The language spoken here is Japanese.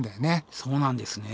そうなんですね。